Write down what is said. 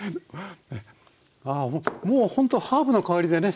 ああもうほんとハーブの香りでね